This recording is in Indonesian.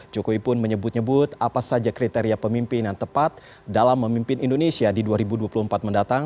jokowi pun menyebut nyebut apa saja kriteria pemimpin yang tepat dalam memimpin indonesia di dua ribu dua puluh empat mendatang